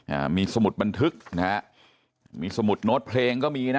อ่ามีสมุดบันทึกนะฮะมีสมุดโน้ตเพลงก็มีนะ